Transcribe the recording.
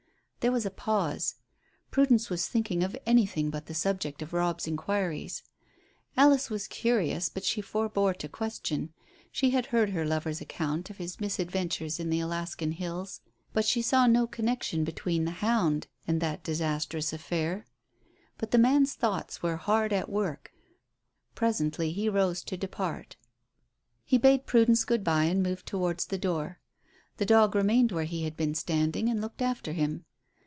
There was a pause. Prudence was thinking of anything but the subject of Robb's inquiries. Alice was curious, but she forbore to question. She had heard her lover's account of his misadventure in the Alaskan hills, but she saw no connection between the hound and that disastrous affair. But the man's thoughts were hard at work. Presently he rose to depart. He bade Prudence good bye and moved towards the door. The dog remained where he had been standing and looked after him.